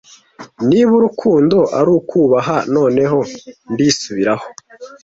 Niba urukundo ari ukubaha noneho ndisubiraho,